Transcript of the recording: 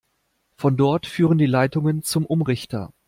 Von dort führen die Leitungen zum Umrichter.